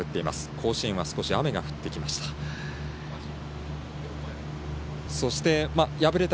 甲子園は少し雨が降ってきました。